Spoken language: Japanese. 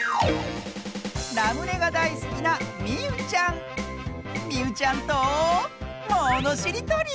ラムネがだいすきなみうちゃんとものしりとり！